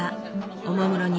おもむろに